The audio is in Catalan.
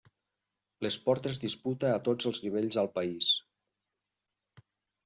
L'esport es disputa a tots els nivells al país.